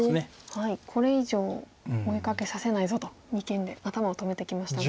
これ以上追いかけさせないぞと二間で頭を止めてきましたが。